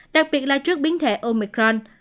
đặc biệt là trước biến thể omicron